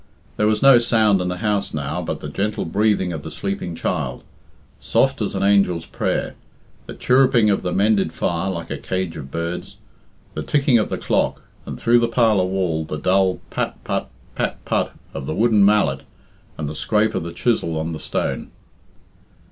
There was no sound in the house now but the gentle breathing of the sleeping child, soft as an angel's prayer, the chirruping of the mended fire like a cage of birds, the ticking of the clock, and, through the parlour wall, the dull pat put, pat put of the wooden mallet and the scrape of the chisel on the stone.